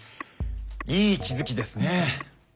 いい気付きですね。